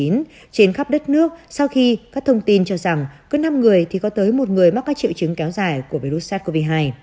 trên khắp đất nước sau khi các thông tin cho rằng cứ năm người thì có tới một người mắc các triệu chứng kéo dài của virus sars cov hai